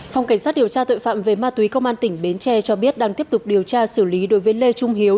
phòng cảnh sát điều tra tội phạm về ma túy công an tỉnh bến tre cho biết đang tiếp tục điều tra xử lý đối với lê trung hiếu